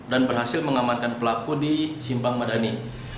dan berhasil mengamankan pelaku di simpang ngadani